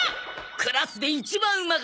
クラスで一番うまかったんだぜ。